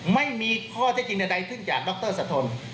ไม่มีข้อเท็จจริงใดขึ้นจากดรสะทน